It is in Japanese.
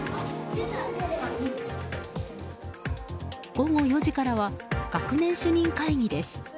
午後４時からは学年主任会議です。